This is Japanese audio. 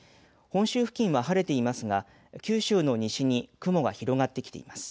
本州付近は晴れていますが九州の西に雲が広がってきています。